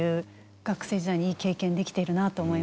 学生時代にいい経験できているなと思いました。